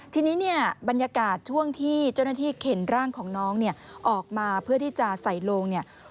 ทีนี้บรรยากาศช่วงที่เจ้าหน้าที่เข็นร่างของน้องออกมาเพื่อที่จะใส่ลง